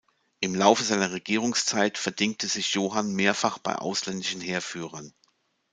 Im Laufe seiner Regierungszeit verdingte sich Johann mehrfach bei ausländischen Heerführern.